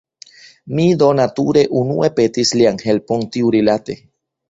Mi do nature unue petis lian helpon tiurilate.